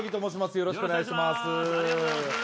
よろしくお願いします。